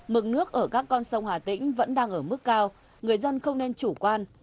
mực nước ở các con sông hà tĩnh vẫn đang ở mức cao người dân không nên chủ quan